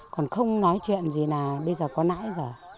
còn không nói chuyện gì là bây giờ có nãi rồi